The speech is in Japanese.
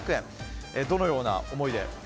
どのような思いで？